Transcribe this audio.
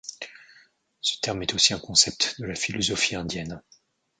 Ce terme est aussi un concept de la philosophie indienne.